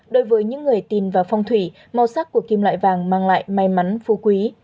đối với những người tin vào phong thủy màu sắc của kim loại vàng mang lại may mắn phu quý